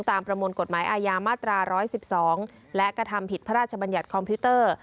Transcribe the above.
ประมวลกฎหมายอาญามาตรา๑๑๒และกระทำผิดพระราชบัญญัติคอมพิวเตอร์